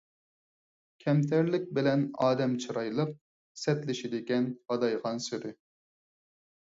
كەمتەرلىك بىلەن ئادەم چىرايلىق، سەتلىشىدىكەن غادايغانسېرى.